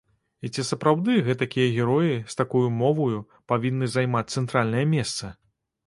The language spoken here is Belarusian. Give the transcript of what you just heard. І ці сапраўды гэтакія героі, з такою моваю, павінны займаць цэнтральнае месца?